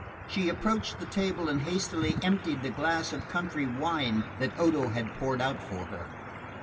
She approached the table and hastily emptied the glass of country wine that Odo had poured out for her.